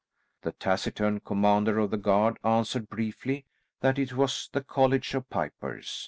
The taciturn commander of the guard answered briefly that it was the College of Pipers.